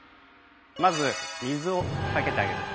まず水をかけてあげる事。